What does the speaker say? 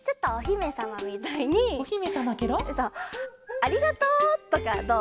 「ありがとう」とかどう？